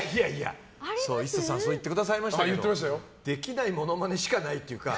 ＩＳＳＡさんはそう言ってくださいましたができないモノマネしかないというか。